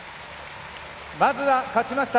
まずは勝ちました